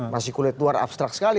masih kulit luar abstrak sekali